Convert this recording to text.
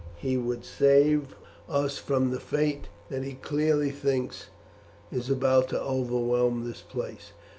He would save us from the fate that he clearly thinks is about to overwhelm this place.